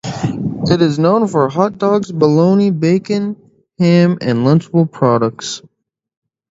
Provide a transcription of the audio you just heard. It is known for its hot dogs, bologna, bacon, ham and Lunchables products.